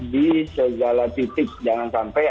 di segala titik jangan sampai